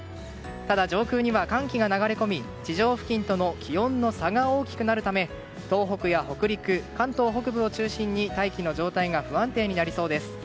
ただ、上空には寒気が流れ込み地上付近との気温の差が大きくなるため東北や北陸関東北部を中心に大気の状態が不安定になりそうです。